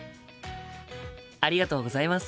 ありがとうございます。